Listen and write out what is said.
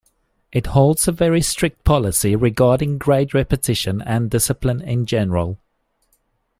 It holds a very strict policy regarding grade repetition and discipline in general.